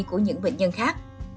của những bệnh nhân khác